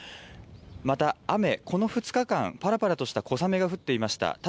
また雨、この２日間、ぱらぱらとした小雨が降っていました。